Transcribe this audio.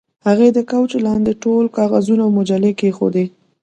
هغې د کوچ لاندې ټول کاغذونه او مجلې کیښودې